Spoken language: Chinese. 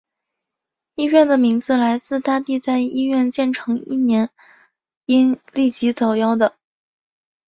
医院的名字来自大帝在医院建成前一年因痢疾早夭的。